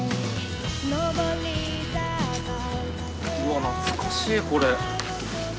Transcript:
うわ懐かしいこれ。